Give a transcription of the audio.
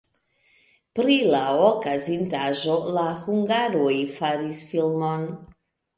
Pri la okazintaĵo la hungaroj faris filmon.